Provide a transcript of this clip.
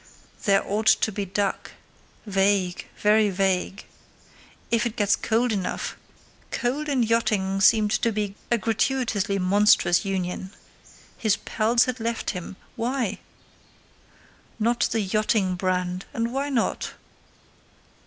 "There ought to be duck"—vague, very vague. "If it gets cold enough"—cold and yachting seemed to be a gratuitously monstrous union. His pals had left him; why? "Not the 'yachting' brand"; and why not?